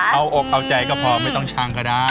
เอาอกเอาใจก็พอไม่ต้องช่างก็ได้